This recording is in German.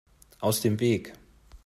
Aus dem Weg!